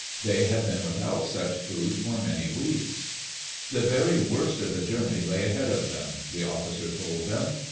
They had been without such food for many weeks. The very worst of the journey lay ahead of them, the officer told them.